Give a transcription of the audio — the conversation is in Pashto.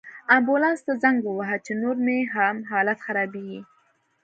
امبولانس ته زنګ ووهه، چې نور مې هم حالت خرابیږي